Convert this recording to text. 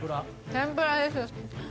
天ぷらです。